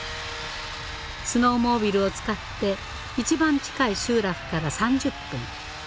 スノーモービルを使って一番近い集落から３０分。